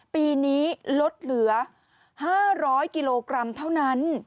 ปีนี้ลดเหลือ๕๐๐กิโลกรัมเท่านั้น